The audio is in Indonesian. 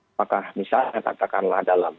apakah misalnya tatakanlah dalam